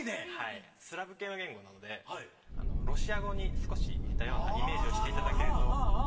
スラブ系の言語なのでロシア語に少し似たようなイメージをしていただけると。